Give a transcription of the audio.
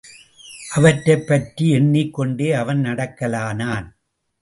அவற்றைப்பற்றி எண்ணிக்கொண்டே அவன் நடக்கலானான்.